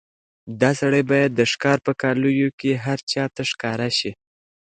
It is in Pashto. دا سړی باید د ښکار په کالیو کې هر چا ته ښکاره شي.